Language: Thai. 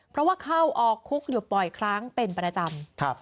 เพราะว่าเข้าออกคุกอยู่บ่อยครั้งเป็นประจำ